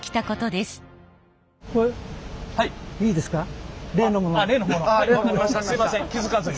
すいません気付かずに。